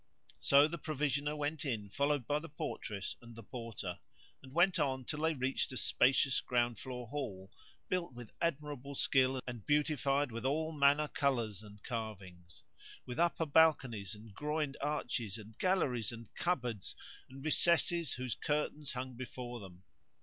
So the provisioner went in followed by the portress and the Porter and went on till they reached a spacious ground floor hall,[FN#148] built with admirable skill and beautified with all manner colours and carvings; with upper balconies and groined arches and galleries and cupboards and recesses whose curtains hung before them.